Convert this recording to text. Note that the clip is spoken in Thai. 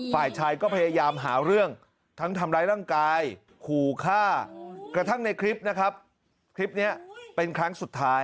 ฝ่ายชายก็พยายามหาเรื่อง